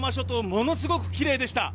ものすごくきれいでした。